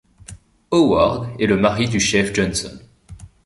Howard est le mari du chef Johnson.